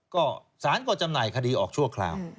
ก็สารก็จำหน่ายคดีออกชั่วคราว